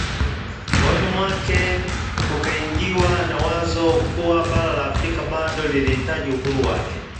Moyoni mwake kukaingiwa na wazo kuwa bara la Afrika bado lilihitaji uhuru wake